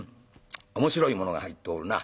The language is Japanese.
面白いものが入っておるな。